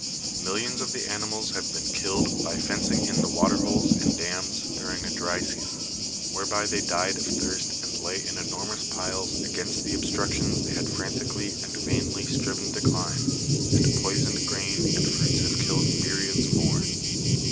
Millions of the animals have been killed by fencing in the water holes and dams during a dry season, whereby they died of thirst and lay in enormous piles against the obstructions they had frantic ally and vainly striven to climb, and poisoned grain and fruit have killed myriads more."